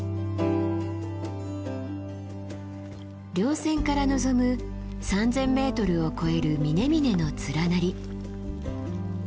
稜線から望む３，０００ｍを超える峰々の連なり。